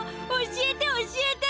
教えて教えて！